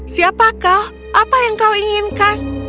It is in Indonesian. siapa kau apa yang kau inginkan